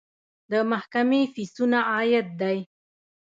د محکمې فیسونه عاید دی